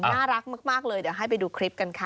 น่ารักมากเลยเดี๋ยวให้ไปดูคลิปกันค่ะ